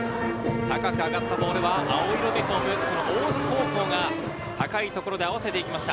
高く上がったボールは青いユニホーム、大津高校が高いところであわせていきました。